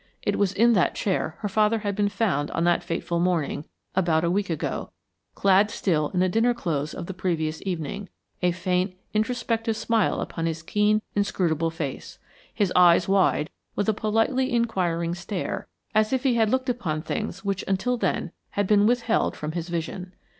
It was in that chair her father had been found on that fateful morning, about a week ago, clad still in the dinner clothes of the previous evening, a faint, introspective smile upon his keen, inscrutable face; his eyes wide, with a politely inquiring stare, as if he had looked upon things which until then had been withheld from his vision.